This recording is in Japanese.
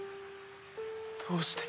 どうして！？